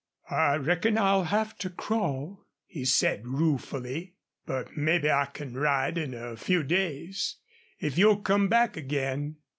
"I reckon I'll have to crawl," he said, ruefully. "But maybe I can ride in a few days if you'll come back again."